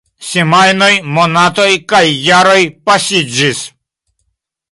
Semajnoj, monatoj, kaj jaroj pasiĝis.